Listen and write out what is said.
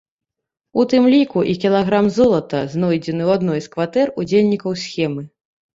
У тым ліку і кілаграм золата, знойдзены ў адной з кватэр удзельнікаў схемы.